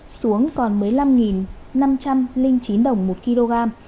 giá xuống còn mới năm năm trăm linh chín đồng một kg